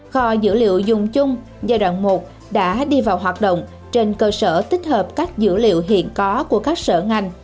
kho dữ liệu dùng chung giai đoạn một đã đi vào hoạt động trên cơ sở tích hợp các dữ liệu hiện có của các sở ngành